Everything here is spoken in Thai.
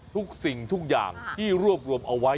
ทุกสิ่งทุกอย่างที่รวบรวมเอาไว้